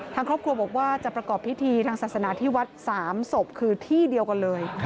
ทางครอบครัวบอกว่าจะประกอบพิธีทางศาสนาที่วัด๓ศพคือที่เดียวกันเลย